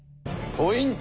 ポイント